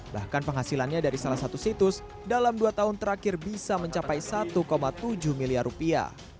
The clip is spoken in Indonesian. bahkan penghasilannya dari salah satu situs dalam dua tahun terakhir bisa mencapai satu tujuh miliar rupiah